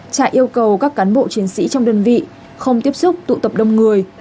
trại yêu cầu các cán bộ chiến sĩ trong đơn vị không tiếp xúc tụ tập đông người